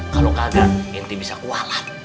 kalau kagak inti bisa kuala